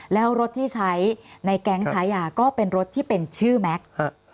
แล้วรถที่ใช้ในแก๊งค้ายาก็เป็นรถที่เป็นชื่อแม็กซ์